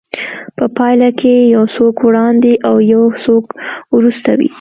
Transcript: په پايله کې يو څوک وړاندې او يو څوک وروسته وي.